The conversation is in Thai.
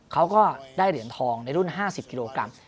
เขาก็ได้เหรียญทองในรุ่น๕๐กิโลกรัม